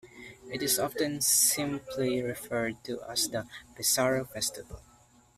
It is often simply referred to as the Pesaro Festival.